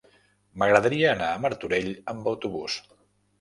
M'agradaria anar a Martorell amb autobús.